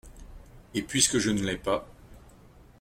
Et, puisque je ne l’ai pas…